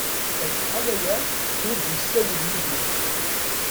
Acḥal aya ur d-isawel Yidir